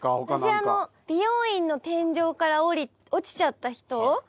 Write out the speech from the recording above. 私あの美容院の天井から落ちちゃった人。